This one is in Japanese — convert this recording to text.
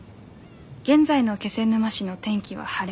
現在の気仙沼市の天気は晴れ。